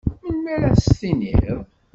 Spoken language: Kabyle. Melmi ara as-tenniḍ?